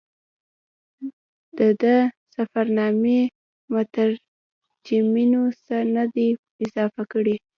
د ده د سفرنامې مترجمینو څه نه دي اضافه کړي.